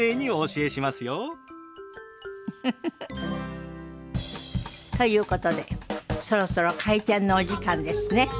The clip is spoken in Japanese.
ウフフフ。ということでそろそろ開店のお時間ですね。